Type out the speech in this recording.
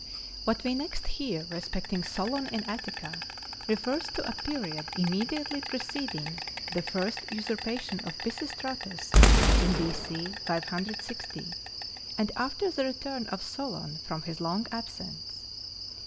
What we next hear respecting Solon in Attica refers to a period immediately preceding the first usurpation of Pisistratus in B.C. 560, and after the return of Solon from his long absence.